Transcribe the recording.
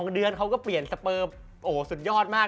เดือนเขาก็เปลี่ยนสเปอร์โอ้โหสุดยอดมาก